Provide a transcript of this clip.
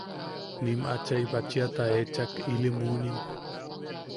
Nim achai bachita echak ili munim.